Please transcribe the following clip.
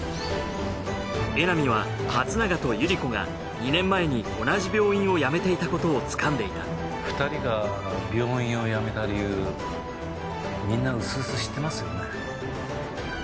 江波は松永とゆり子が２年前に同じ病院を辞めていたことをつかんでいた２人が病院を辞めた理由みんなうすうす知ってますよね？